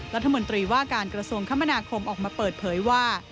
รัฐมนตรีว่าการกระทรวงคมนาคมออกมาเปิดเผยว่า